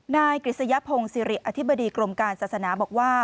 นายกฤษยพงศิริอธิบดีกรมการศาสนาบอกว่า